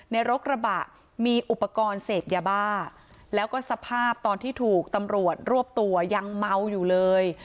รถกระบะมีอุปกรณ์เสพยาบ้าแล้วก็สภาพตอนที่ถูกตำรวจรวบตัวยังเมาอยู่เลย